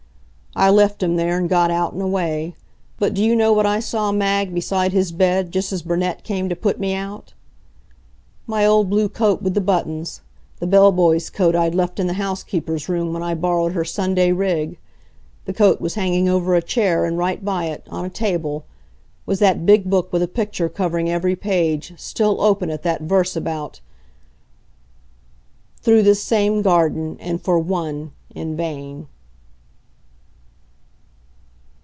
I left him there and got out and away. But do you know what I saw, Mag, beside his bed, just as Burnett came to put me out? My old blue coat with the buttons the bell boy's coat I'd left in the housekeeper's room when I borrowed her Sunday rig. The coat was hanging over a chair, and right by it, on a table, was that big book with a picture covering every page, still open at that verse about Through this same Garden and for ONE in vain!